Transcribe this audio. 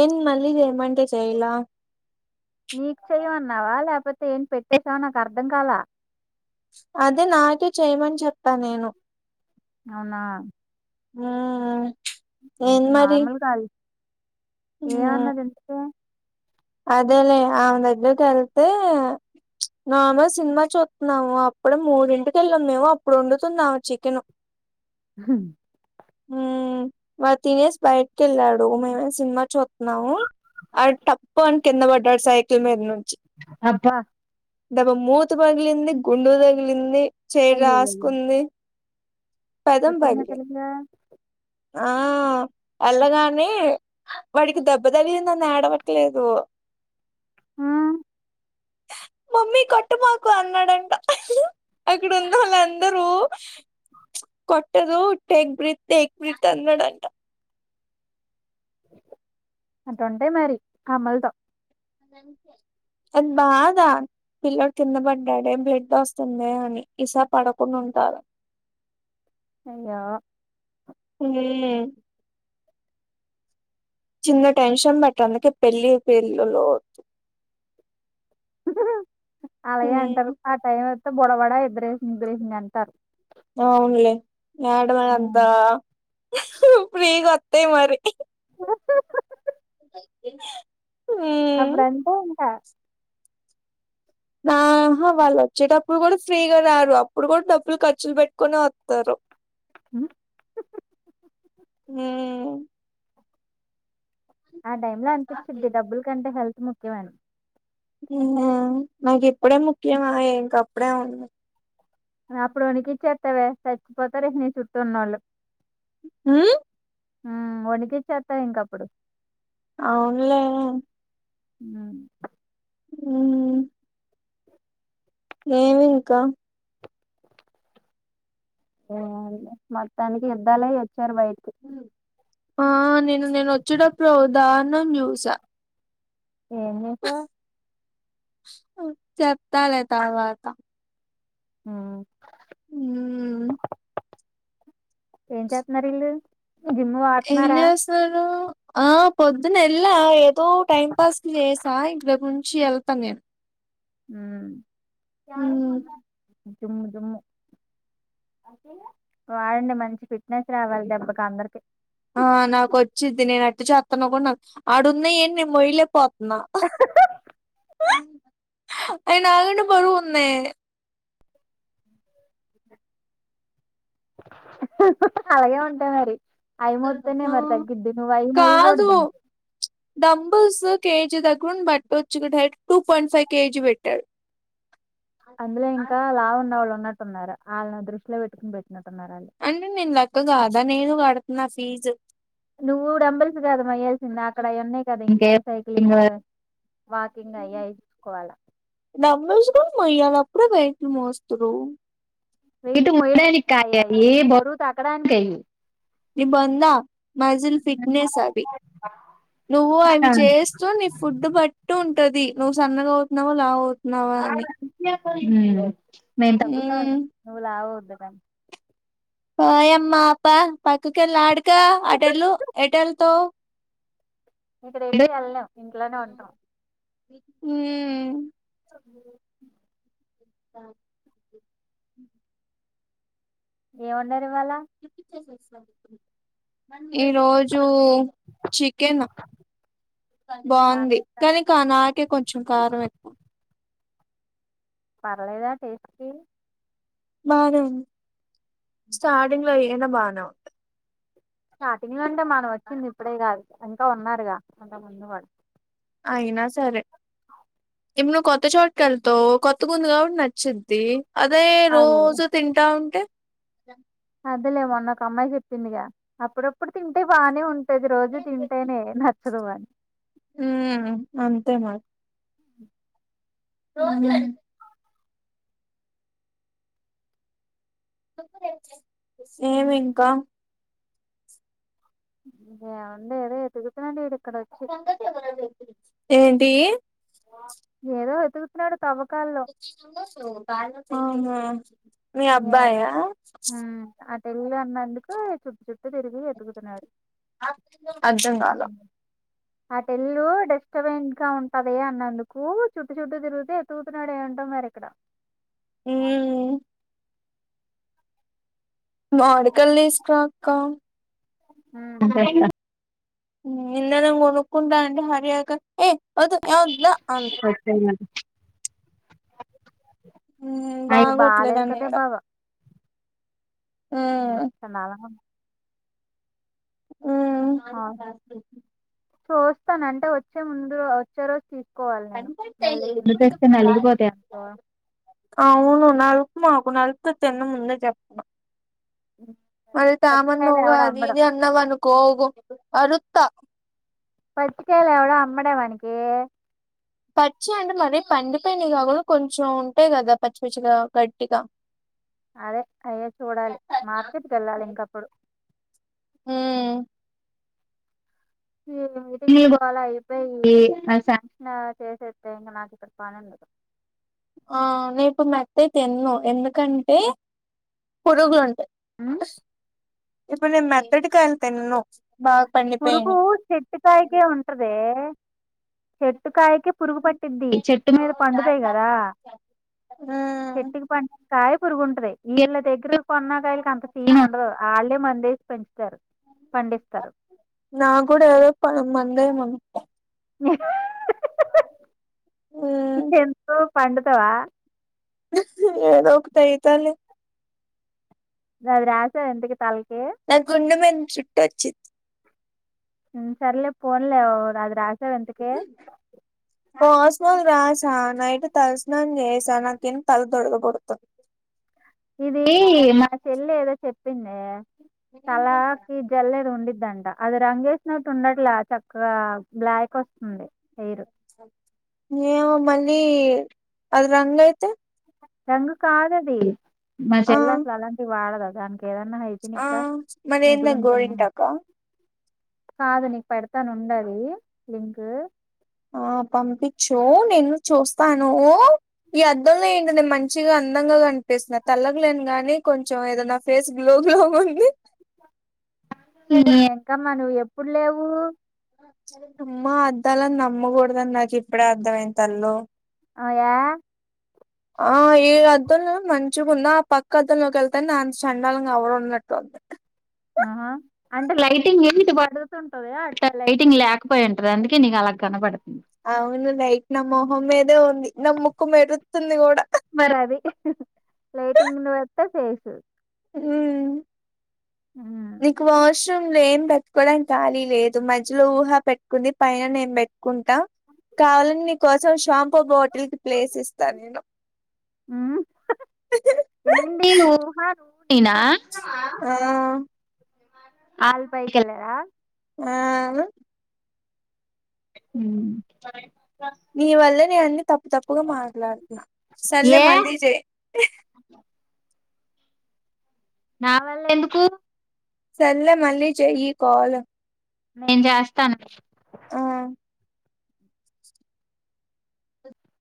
Empty మళ్ళీ చేయుమంటే చేయలా నీకు చెయమన్నావా లేకపోతే ఏం పెట్టేసావ్ నాకు అర్ధం కాలా అదే నాకే చెయమని చెప్పా నేను అవునా మ్మ్ ఏం మరి నార్మల్ కాల్ ఏ మ్మ్ అన్నది అదేలే ఆమె దగ్గరికి వెళ్తే నార్మల్ సినిమా చూస్తున్నాము అప్పుడే మూడింటికి వెళ్ళాము అప్పుడు వండుతున్నాం చికెన్ హ ఉ మరి తినేసి బయటకి వెళ్ళాడు మేమే సినిమా చూస్తున్నాము అ టప్ప అం కింద పడ్డాడు సైకిల్ మీద నుండి అబ్బా దెబ్బ మూతి పగిలింది గుండు తగిలింది చయ్ అయ్యయ్యో రాసుకుంది పెదం గట్టిగానే పగిలింది తగిలిందా ఆ ఎల్లగానే వాడికి దెబ్బ తగిలింది అని ఏడవట్లేదు ఆ మమ్మీ కొట్టమాకు అన్నాడంట అక్కడ ఉన్నొల్లందరు కొట్టదు టెక్ బ్రిత్ టెక్ బ్రిత్ అన్నాడట అట్టుంటాయి మరి కమ్మలతో ఎం బాగా పిల్లాడు కింద పడ్డాడే బ్లెడ్ వస్తుందే అని ఈసారి పడకుండా ఉంటారు అయ్యో హ్ చిన్న టెన్షన్ బట్ట అందుకే పెళ్ళి పేళ్లలో అలాగే అంటరు ఉమ్, ఆ టైం ఓతే బొడవడా ఎద్దరేసింది ఇదురేసింది అంటారు అవున్లే ఎడ మ అంత ఫీ గొత్తాయి మరి ఎ అప్పుడు అంతే ఇంకా అ హా వాళ్ళు వోచ్చేటప్పుడు గూడా ఫ్రీగా రారు అప్పుడు గూడా డబ్బులు ఖర్చులు పెట్టుకొని ఓ. తరు హూ ఆ టైమ్లో అనిపించిద్ది డబ్బుల కంటే హెల్త్ ముఖ్యమని నాకు ఇప్పుడే ముఖ్యమాఏ ఇంక అప్పుడేఉంది అప్పుడు నికిచ్చేస్తాలే చచ్చిపోతరే నీ చుట్టూ ఉన్నోళ్ళు. ఊ ఉ వకిచ్చ చేస్తా ఇంకప్పుడు అవునులే ఉ ఉ ఏమి ఇంకా మోత్తానికినికి యుద్దాలై ఒచ్చారు బయటికి ఆ నేను నిన్న వొచ్చేటప్పుడు ఓ ధర్నామ్ జూసా. ఏం జూసావ్. హు చెప్తాలే తర్వాత. హ ఉఊ ఏంచేస్తున్నారు ఇళ్ళు ఏంచేస్తున్నారు ఆ పొద్దున ఎలా తో టైం పాస్కు చేసా ఇక రేపనుంచి ఎల్త నేను హ్మ్ జుమ్ము జుమ్ము. వాడండి మంచి ఫిట్నెస్ రావాలి దెబ్బకి అందరికి ఆ నాకు వచ్చిది నేను అట్ చేస్తాను కూడా నాకు ఆడున్నాయి ఏ నేను మయలే పోతున్నా అవి నాకంటే బరువు ఉన్నాయి అలాగే ఉంటాయి మరి. అయి మోతనే ఆ మరీ తగీద్ నువ్ అయి కాదు మోయగూడద్ డంబుల్స్ కేజీ దక్కున్ బట్టచ్చు డై టూ వన్ ఫైవ్ కేజీ పెట్టాడు. అందులో ఇంకా లావు ఉన్న వాళ్ళు ఉన్నట్టున్నారు వాళ్ళని దృష్టిలో పెట్టుకుని పెట్టినట్టున్నారు వాళ్ళు అంటే నేను లెక్క కాదా నేను కడుతున్నా ఫీజు నువ్వు డంబల్స్ కాదమ్మ ఏసింది అక్కడ అవి ఉన్నాయి కదా వాకింగ్ అయ్య ఎయించుకోవాలా. డంబెల్స్ కూడా మోయ్యాలి అప్పుడే వెయిట్ మోస్తురు వెయిట్ మోయాడనికి కదండి అయి బొర్రా తాగ్గడానికి అయి నీ బొంద మాజిల్ ఫిట్నేస్ అవి నువు అవి చేస్ సో నీ ఫుడ్ బట్టి ఉంటది నువ్వు సన్నగా అవుతున్నావా లావ్ అవుతున్నావా అని ఉ నేను తగ్గుతా ఉమ్ నువ్వు లావు అవుదు గాని ఓయమ్మ అప పక్కకెళ్ళ ఆడకో అటేళ్ళు ఎటెళ్తావ్ ఇకడెక్కడ ఏళ్ళం ఇంట్లోనే ఉంటాం హుమ్ ఏం వండారు ఇవాళ ఈరోజు చికెన్ బానే బాగుంది ఉందా కానీ కా నాకే కొంచెం కారం ఎక్కువ పర్లేదా టేస్ట్ కి బానే ఉంద్ స్టార్టింగ్ లో ఏదైనా బానే స్టార్టింగ్ లో అంటే మనం వచ్చింది ఇప్పుడే గదా ఇంకా ఉన్నారుగా కొంతమంది వాళ్లు అయినా సరే ఇప్పు నువ్వు కొత్త చోటు వెళ్తావ్ కొత్తగా ఉంది కాబట్టి నచ్చిద్ది అదే అదేలే రోజు తింటా ఉంటే అదేలే మొన్న ఒక అమ్మాయి చెప్పింది గా అప్పుడప్పుడు తింటే బాగానే ఉం ప్రతిరోజు తింటేనే నచ్చదు వాని మ్ అంతే మరి ఆన్లైన్ ఏమి ఇంకా యవుంది ఏదో ఎతుక్తున్నాడు ఇడు ఇక్కడ ఒచ్చి ఏంటీ ఏదో ఎతుకుతున్నాడు తవ్వకాల్లొ అవునా మీ అబ్బాయా పెళ్లి అన్నందుకూ ఈ చుట్టు చుట్టూ తిరిగి ఎతుకుతున్నాడు అర్ధం కాల అటెళ్ళు డిస్టబెన్ గా ఉంటది అన్నందుకు చుట్టు చుట్టూ తిరుగుతు ఎతుకుతున్నాడు ఏంటో మరి ఇక్కడ ఊ మౌవ్డ్ కాయిల్ తీస్కురా అక్కా ఉ తెస్తా ఉ నిన్న నేను గొనుకుంటా అంటె హరి అక్క ఏయ్ వద్దు ఏమోద్దు దా అంది ఉమ్ అయి బాలేదు బాగోట్లేదని కదే ఈడ బావ ఉమ్ అంత చెండాలంగుంది ఊ ఆ చూస్తాను అంటే ఒచ్చే ముందు ఒచ్చే రోజు ను తెస్తే నలిగిపోతాయ్ అనుకో ఆవును నలప్మాకు నలుపుతె తిన్ను ముందే చెప్తన్న ఉమ్, అది త్యమన్ పచ్చికాయలు నువ్వు ఎవడ గాడు అమ్మడం నేనే అన్ న్నవనుకో గొ అరుత్తా పచ్చికాయిల్ ఎవడు అమ్మడు వానికీ పచ్చి అంటే మరీ పండిపోయినయ్ కాకుండ కొంచెం ఉంటయి గదా పచ్చి పచ్చిగా గట్టిగా అదే అయ్యె చూడాలి మార్కెట్కెళ్ళాలి ఇంకప్పుడు ఊ ఈ టీ గోల అయిపోయి శాంక్షన్ చేసేస్తే ఇంగ నాకు చెప్పాలి అంది ఆ నే పు మెత్తయి తిన్ను ఎందుకంటే పొరుగులుంటయ్ మ్ ఇప్పుడు నెను మెత్తటి కాయన్ తిన్ను బా పురుగూ చెట్టుకాయకే ఉంటదే చెట్టుకాయక్ కె పురుగు పట్టింది చెట్టు మీద పండుతాయి కదా ఉమ్ చెట్టుకి పం కాయ కి పురుగుట్ది ఈళ్ళ దేగ్గర కొన్నాగాయలు అంత సీన్ ఉండ్దూ అళ్ళే మందేసి పెంచుతారు పండితారు నా గూడా ఏదోప్ప మందేమమ్మీ ఉమ్ ఎంతో పండుతవా ఏదోకటి అయితది లే అది రాసావా ఎంతకి తలకి నా గుండు మీద జుట్టు ఒచ్చింది ఉ సర్లే పోన్లే ఒ అది రాసావా ఇంతకి ఓస్మల్ రాసా నైట్ తల స్నానం జెసా నాకేమో తల దురద పుడ్తుంది ఇది మా చెల్లి ఏదో చెప్పిందే తలాకి జల్లేడు ఉండిద్దంట అది రంగేసినట్టు ఉండట్లా చక్కగా బ్లాక్ ఒస్తుంది హెయిరు ఏమో మళ్ళీ అది రంగు అయితే రంగు కాదు అది మా ఆ చెల్లె అసలు అలాంటివి వాడదు ఆ దానికి ఏదన్నా ఐ ఆ మరేందా గోరింటాకా కాదు నీకు పెడతాను ఉండు అది లింకు ఆ పంపిచ్చు నేను చూస్తానూ ఈ అద్దంలో ఏంటి నేను మంచిగా అందంగా కనిపిస్తున్నా తెల్లగలేను గానీ కొంచెం ఏదన్నా ఫేస్ గ్లో గా ఉంది నీ ఎంకమ్మ నువ్వు ఎప్పుడు లేవు అమ్మా అద్దాలని నమ్మకూడదని నాకు ఇప్పుడే అర్దమైంది తల్లో అదా ఆ ఏ అద్దంలో మంచిగున్నా ఆ పక్క అద్దంలోకి ఎళ్తే నా అంత చండాలంగా ఎవరూ ఉన్నట్టు ఉంది ఆ అంటే లైటింగ్ [inaudible] పడుతుం అట్ట లైటింగ్ లేకపోయి ఉంటది అందుకే నీకు అలాగ కనపడుతుంది అవును లైట్ నా మొహం మీదే ఉంది నా ముక్కు మెరుత్తుంది కూడా మరి అది లైటింగ్ ను బట్టే ఫేసు ఉమ్ నీ క వాష్ రూమ్ లో ఏం పెట్టుకోవడానికి ఖాళీ లేదు మధ్యలో ఊహా పెట్టుకుంది పైన నేను పెట్టుకుంటా కావాలని నీకోసం షాంపూ బోటిల్ కి ప్లేస్ ఇస్తా నేను ఊ [unintelligible] ఊహా నువ్వు నేనా ఆ ఆళ్ళు పైకెళ్లారా ఆ ఊ నీ వల్లే నే అన్నీ తప్పు తప్పుగా మాట్లాడుతున్నా సరేలే ఏ మళ్ళీ చే నా వల్ల ఎందుకు సరేలే మళ్ళీ చెయ్యి కాల్ నేను జేస్తాను ఆ